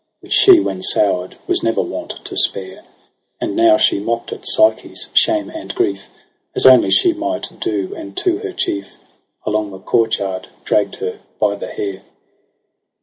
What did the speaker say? Which she when sour'd was never wont to spare : And now she mock'd at Psyche's shame and grief, As only she might do, and to her chief Along the courtyard dragg'd her by the hair.